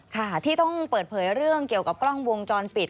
ค่ะที่ต้องเปิดเผยเรื่องเกี่ยวกับกล้องวงจรปิด